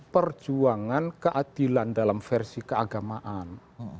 perjuangan keadilan dalam versi keagamaan